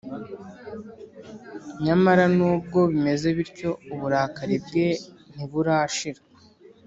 Nyamara nubwo bimeze bityo uburakari bwe ntiburashira